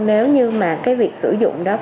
nếu như mà cái việc sử dụng đó